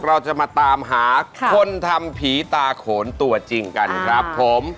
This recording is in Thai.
เราจะมาตามหาคนทำผีตาโขนตัวจริงกันครับผม